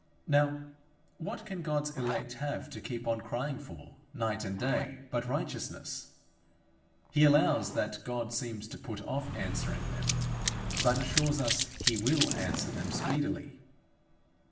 Now what can God's elect have to keep on crying for, night and day, but righteousness? He allows that God seems to put off answering them, but assures us he will answer them speedily.